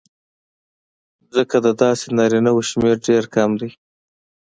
ځکه د داسې نارینهوو شمېر ډېر کم دی